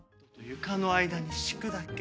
床の間に敷くだけ。